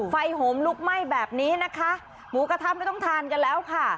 โหมลุกไหม้แบบนี้นะคะหมูกระทะไม่ต้องทานกันแล้วค่ะ